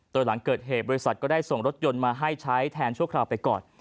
โดยหลังเกิดเหตุบริษัทก็ได้ส่งรถยนต์มาให้ใช้แทนชั่วคราวไปก่อน